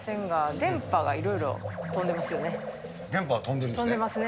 電波が飛んでるんですね。